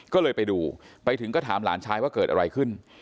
ก็เลยไปดูไปถึงก็ถามหลานชายว่าเกิดอะไรขึ้น